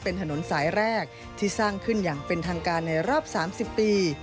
เป็นถนนสายแรกที่สร้างขึ้นอย่างเป็นทางการในรอบ๓๐ปี